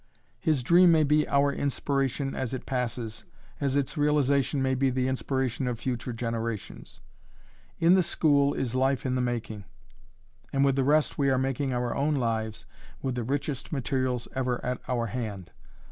His dream may be our inspiration as it passes, as its realization may be the inspiration of future generations. In the school is life in the making, and with the rest we are making our own lives with the richest materials ever at our hand.